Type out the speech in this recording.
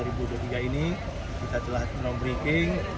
di dua ribu dua puluh tiga ini kita telah non breaking